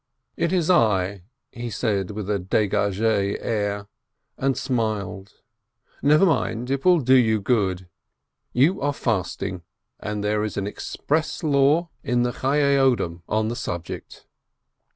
"It is I," he said with a degage air, and smiled. "Never mind, it will do you good! You are fasting, and there is an express law in the Chayye Odom on the subject."